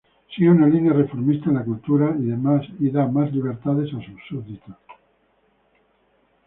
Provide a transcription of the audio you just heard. Sigue una línea reformista en la cultura y da más libertades a sus súbditos.